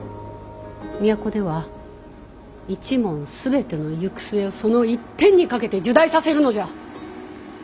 都では一門全ての行く末をその一点に賭けて入内させるのじゃ！